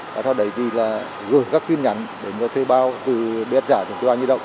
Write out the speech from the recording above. sau đấy thì là gửi các tin nhắn để thuê bao từ bếp giả